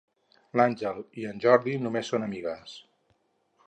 L'Àngel i en Jordi només són amigues.